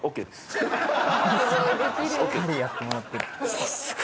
さすが。